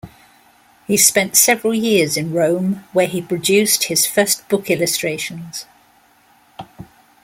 He spent several years in Rome, where he produced his first book illustrations.